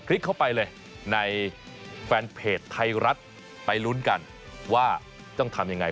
ลิกเข้าไปเลยในแฟนเพจไทยรัฐไปลุ้นกันว่าต้องทำยังไง